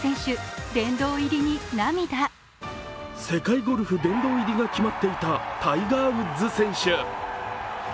世界ゴルフ殿堂入りが決まっていたタイガー・ウッズ選手。